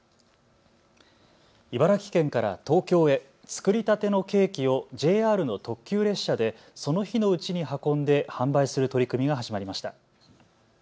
茨城県から東京へ作りたてのケーキをＪＲの特急列車でその日のうちに運んで販売する取り組みが始まりました。